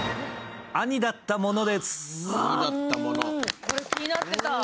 「兄だったモノ」です。